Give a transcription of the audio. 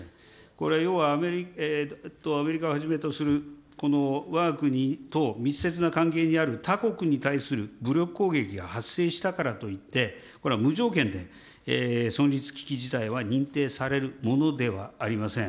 これは要はアメリカをはじめとする、このわが国と密接な関係にある他国に対する武力攻撃が発生したからといって、これは無条件で存立危機事態は認定されるものではありません。